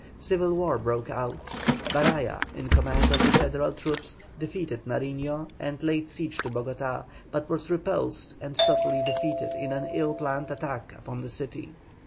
Civil war broke out; Baraya, in command of the Federal troops, defeated Nariño and laid siege to Bogotá, but was repulsed and totally defeated in an ill planned attack upon the city.